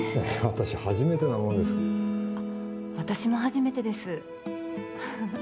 私も初めてですフフフ